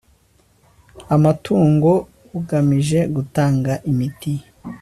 amatungo bugamije gutanga imiti